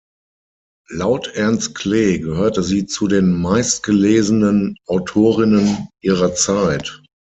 Laut Ernst Klee gehörte sie zu den meistgelesenen Autorinnen ihrer Zeit.